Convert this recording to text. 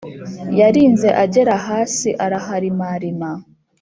yarinze agera hasi araharimarima,